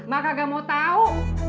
mak kagak mau tau